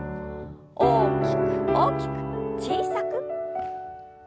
大きく大きく小さく。